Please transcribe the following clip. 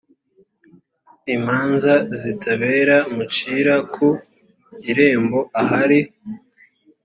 imanza zitabera mucira ku irembo ahari